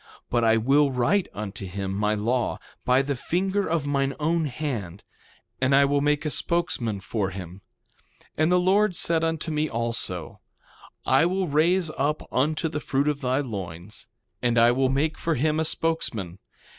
But I will write unto him my law, by the finger of mine own hand; and I will make a spokesman for him. 3:18 And the Lord said unto me also: I will raise up unto the fruit of thy loins; and I will make for him a spokesman.